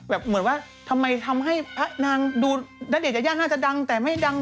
แบบเหมือนว่าทำไมทำให้นางดูดัดเด่นขณะน่าจะดังแต่ไม่ดัง